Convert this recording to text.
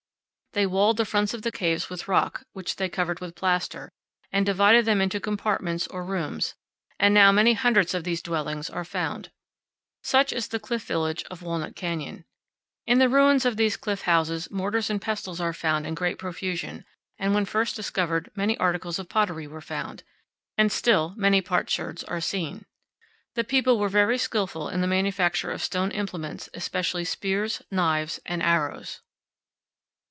They walled the fronts of the caves with rock, which they covered with plaster, and divided them into compartments or rooms; and now many hundreds of these dwellings are found. Such is the cliff village of powell canyons 18.jpg PYRAMID BUTTE NEAR FORT WINGATE. Walnut Canyon. In the ruins of these cliff houses mortars and pestles are found in great profusion, and when first discovered many articles of pottery were found, and still many potsherds are seen. The people were 42 CANYONS OF THE COLORADO. very skillful in the manufacture of stone implements, especially spears, knives, and arrows.